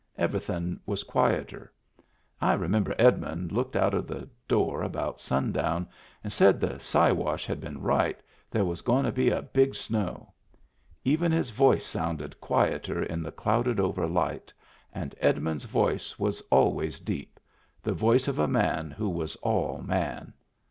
Everythin' was quieter. I remember Ed mund looked out of the door about sundown and said the Siwash had been right, there was goin' to be a big snow. Even his voice sounded quieter in the clouded over light, and Edmund's voice was always deep — the voice of a man who was all man.